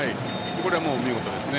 これは見事ですね。